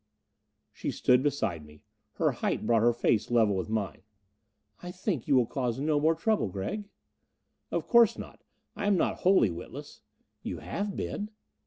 She stood beside me. Her height brought her face level with mine. "I think you will cause no more trouble, Gregg?" "Of course not. I am not wholly witless." "You have been."